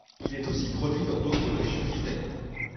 Il est aussi produit dans d'autres régions d'Italie.